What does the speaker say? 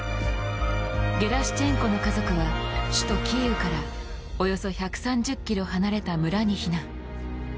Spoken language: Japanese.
ゲラシュチェンコの家族は首都キーウからおよそ１３０ｋｍ離れた村に避難。